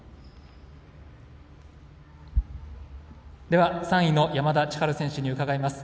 では３位の山田千遥選手に伺います。